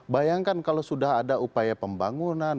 bayangkan kalau sudah ada upaya pembangunan